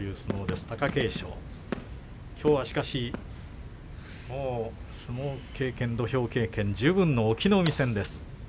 しかし、きょうは相撲経験土俵経験十分な隠岐の海戦です。